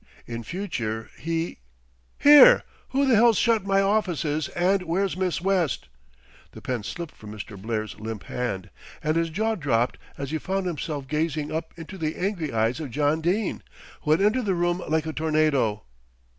In future he "Here, who the hell's shut my offices, and where's Miss West?" The pen slipped from Mr. Blair's limp hand, and his jaw dropped as he found himself gazing up into the angry eyes of John Dene, who had entered the room like a tornado.